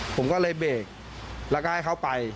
ผมก็เลยเบรกแล้วก็ให้เขาไป